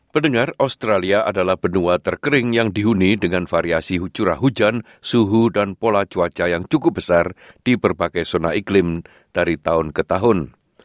pendengar australia adalah benua terkering yang dihuni dengan variasi curah hujan suhu dan pola cuaca yang cukup besar di berbagai zona iklim dari tahun ke tahun